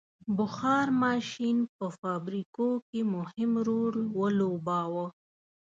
• بخار ماشین په فابریکو کې مهم رول ولوباوه.